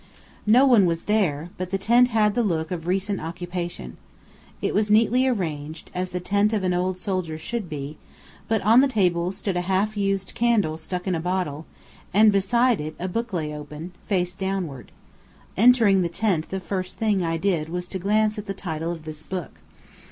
No one was there but the tent had the look of recent occupation. It was neatly arranged, as the tent of an old soldier should be: but on the table stood a half used candle stuck in a bottle; and beside it a book lay open, face downward. Entering the tent the first thing I did was to glance at the title of this book.